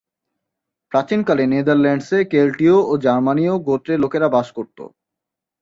প্রাচীনকালে নেদারল্যান্ডসে কেল্টীয় ও জার্মানীয় গোত্রের লোকেরা বাস করত।